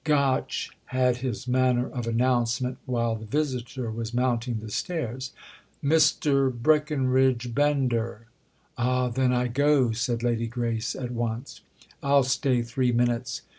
Gotch had his manner of announcement while the visitor was mounting the stairs. "Mr. Breckenridge Bender!" "Ah then I go," said Lady Grace at once. "I'll stay three minutes."